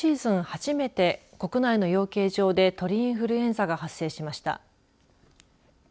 初めて国内の養鶏場で鳥インフルエンザが発生しました。